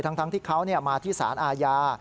ทั้งที่เขามาที่สารอาญา